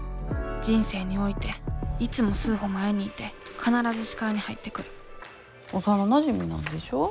人生においていつも数歩前にいて必ず視界に入ってくる幼なじみなんでしょ？